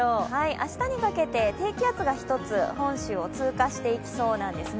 明日にかけて低気圧が１つ本州を通過していきそうなんですね。